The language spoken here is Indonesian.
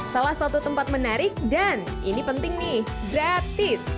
salah satu tempat menarik dan ini penting nih gratis